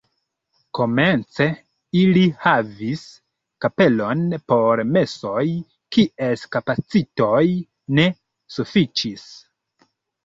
Komence ili havis kapelon por mesoj, kies kapacito ne sufiĉis.